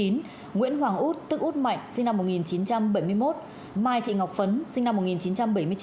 nguyễn hoàng út tức út mạnh sinh năm một nghìn chín trăm bảy mươi một mai thị ngọc phấn sinh năm một nghìn chín trăm bảy mươi chín